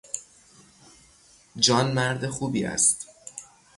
جان مرد خوبی است.